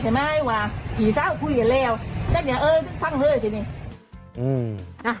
จัดกระบวนพร้อมกัน